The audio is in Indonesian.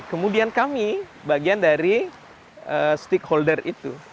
kemudian kami bagian dari stakeholder itu